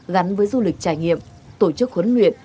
gắn với du lịch trải nghiệm tổ chức huấn luyện